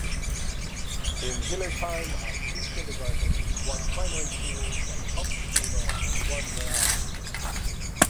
In Hillesheim are two kindergartens, one primary school, one Hauptschule and one Realschule.